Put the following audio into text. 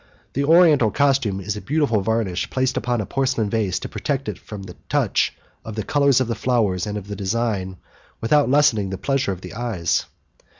The Oriental costume is a beautiful varnish placed upon a porcelain vase to protect from the touch the colours of the flowers and of the design, without lessening the pleasure of the eyes.